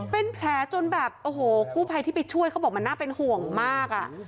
เป็นแผลจนแบบโอ้โหกู้ภัยที่ไปช่วยเขาบอกมันน่าเป็นห่วงมากอ่ะ